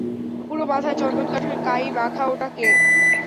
পুরো মাথায় চন্দনকাঠের কাই মাখা ওটা কে?